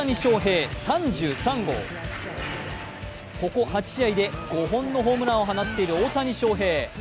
ここ８試合で５本のホームランを放っている大谷翔平。